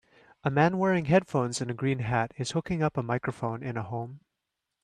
A man wearing headphones and a green hat is hooking up a microphone in a home.